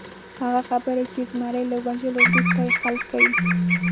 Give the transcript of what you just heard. هغه خبرې چې د زمري له وژلو وروسته یې خلک کوي.